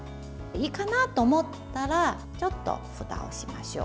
いいかなと思ったらちょっとふたをしましょう。